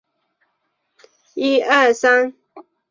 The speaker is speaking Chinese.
编剧之一的也已签约回归编剧。